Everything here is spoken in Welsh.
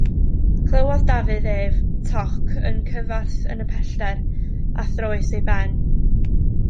Clywodd Dafydd ef toc yn cyfarth yn y pellter a throes ei ben.